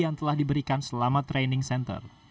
yang telah diberikan selama training center